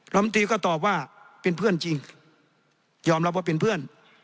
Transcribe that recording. ลำตีก็ตอบว่าเป็นเพื่อนจริงยอมรับว่าเป็นเพื่อน